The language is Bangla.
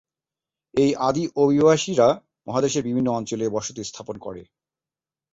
এই আদি অভিবাসীরা মহাদেশের বিভিন্ন অঞ্চলে বসতি স্থাপন করে।